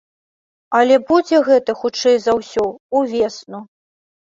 Але будзе гэта, хутчэй за ўсё, ўвесну.